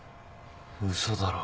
嘘だろ。